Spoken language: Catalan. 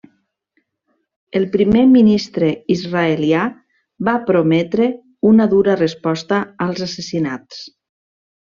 El primer ministre israelià va prometre una dura resposta als assassinats.